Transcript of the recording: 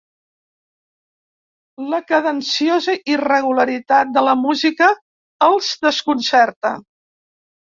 La cadenciosa irregularitat de la música els desconcerta.